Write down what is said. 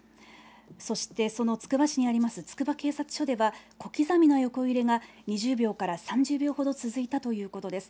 そしてそのつくば市にありますつくば警察署では、小刻みな横揺れが２０秒から３０秒ほど続いたということです。